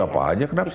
siap aja kenapa sih